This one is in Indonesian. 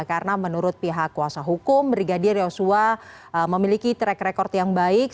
karena menurut pihak kuasa hukum brigadier yosua memiliki track record yang baik